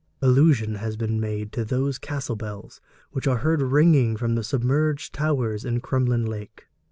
Allusion has been made to those castle bells which are heard ringing from the submerged towers in Crumlyn lake.